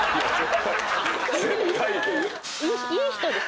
いい人です。